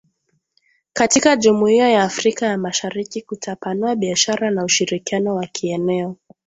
katika jumuia ya Afrika ya mashariki kutapanua biashara na ushirikiano wa kieneo